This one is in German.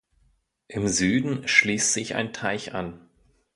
Im Süden schließt sich ein Teich an.